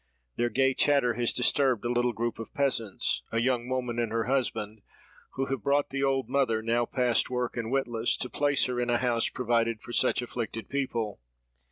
Their gay chatter has disturbed a little group of peasants; a young woman and her husband, who have brought the old mother, now past work and witless, to place her in a house provided for such afflicted people.